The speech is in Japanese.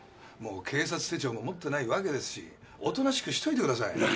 もう警察手帳も持ってないわけですしおとなしくしといてください。